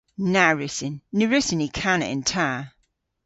Na wrussyn. Ny wrussyn ni kana yn ta.